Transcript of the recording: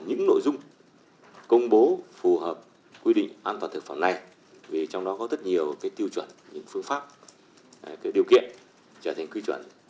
những nội dung công bố phù hợp quy định an toàn thực phẩm này vì trong đó có rất nhiều tiêu chuẩn những phương pháp điều kiện trở thành quy chuẩn